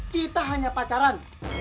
kita hanya pacaran